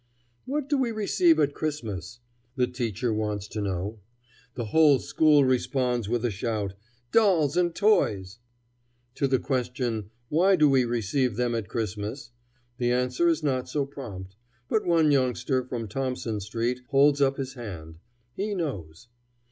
"What do we receive at Christmas?" the teacher wants to know. The whole school responds with a shout, "Dolls and toys!" To the question, "Why do we receive them at Christmas?" the answer is not so prompt. But one youngster from Thompson street holds up his hand. He knows.